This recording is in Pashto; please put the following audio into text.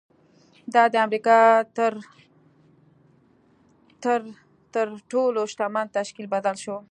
دا د امریکا تر تر ټولو شتمن تشکیل بدل شو